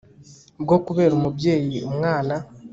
bwo kubera umubyeyi umwana